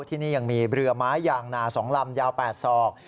ที่นี่ยังมีเรือไม้ยางนา๒ลำยาว๘ศอก